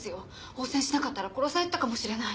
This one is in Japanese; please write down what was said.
応戦しなかったら殺されてたかもしれない。